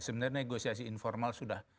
sebenarnya negosiasi informal sudah